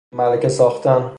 ملکه ساختن